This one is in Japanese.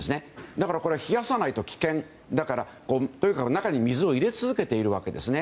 だから、冷やさないと危険だから、というか中に水を入れ続けているわけですね。